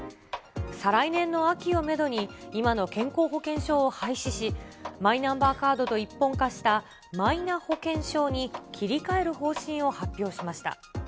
再来年の秋をメドに、今の健康保険証を廃止し、マイナンバーカードと一本化したマイナ保険証に切り替える方針を発表しました。